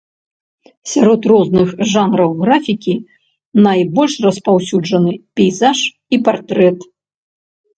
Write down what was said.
Сярод розных жанраў графікі найбольш распаўсюджаны пейзаж і партрэт.